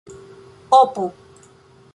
opo